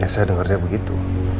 ya saya dengarnya begitu